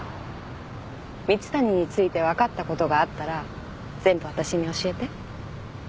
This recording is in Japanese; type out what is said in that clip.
蜜谷について分かったことがあったら全部私に教えて。